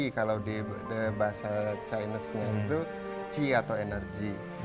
kalau di bahasa chinese nya itu qi atau energi